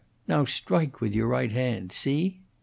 Now strike with your right hand. See?"